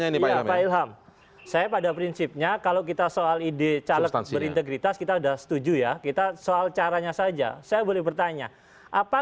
pak ilham pak ilham pak ilham saya pada prinsipnya kalau kita soal ide caleg berintegritas kita sudah setuju ya kita soal caranya saja saya boleh bertanya